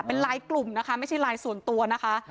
เป็นไลน์กลุ่มนะคะไม่ใช่ไลน์ส่วนตัวนะคะ